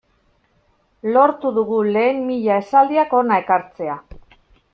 Lortu dugu lehen mila esaldiak hona ekartzea.